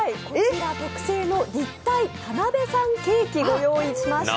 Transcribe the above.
特製の立体田辺さんケーキご用意しました。